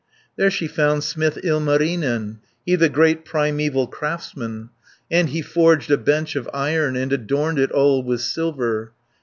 There she found smith Ilmarinen, He the great primeval craftsman. And he forged a bench of iron, And adorned it all with silver.